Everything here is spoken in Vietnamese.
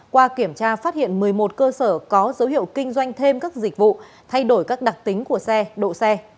qua kiểm tra phát hiện một mươi một cơ sở có dấu hiệu kinh doanh thêm các dịch vụ thay đổi các đặc tính của xe độ xe